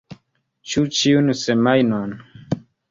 Ĉu ĉiun semajnon?